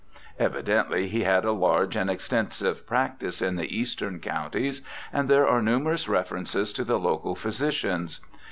Evidently he had a large and extensive practice in the Eastern Counties, and there are numerous references to the local phj'sicians.